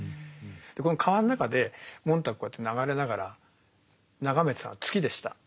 でこの川の中でモンターグこうやって流れながら眺めてたのは月でした。